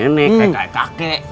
kadang kayak kakek